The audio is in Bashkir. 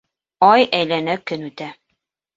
Ай әйләнә көн үтә.